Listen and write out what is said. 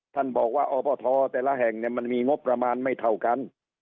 ท่านบอกว่าอบทแต่ละแห่งมันมีงบประมาณไม่เท่ากัน